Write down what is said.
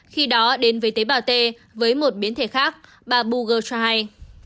khi đó đến với tế bào t với một biến thể khác bà bouger trey